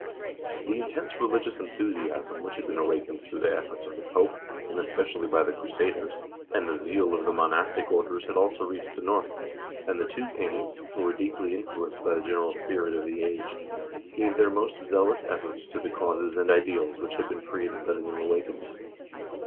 2 /The intense religious enthusiasm which had been awakened through the efforts of the Pope, and especially by the crusaders, and the zeal of the monastic orders had also reached the North, and the two kings, who were deeply influenced by the general spirit of the age, gave their most zealous efforts to the causes and ideals which had been created by the new awakening.